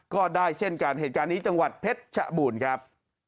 ก็ได้เช่นกันเหตุการณ์นี้จังหวัดเพชรชบูรณ์ครับ